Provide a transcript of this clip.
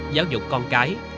giáo dục con cái